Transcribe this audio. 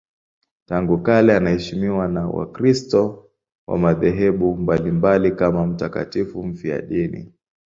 Tangu kale anaheshimiwa na Wakristo wa madhehebu mbalimbali kama mtakatifu mfiadini.